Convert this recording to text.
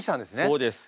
そうです。